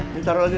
ini taruh lagi